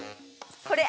これ。